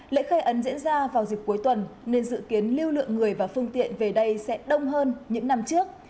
lễ khai ấn diễn ra vào dịp cuối tuần nên dự kiến lưu lượng người và phương tiện về đây sẽ đông hơn những năm trước